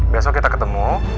besok kita ketemu